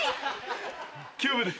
キューブです。